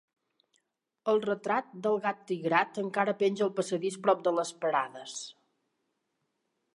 El retrat del gat tigrat encara penja al passadís prop de les parades.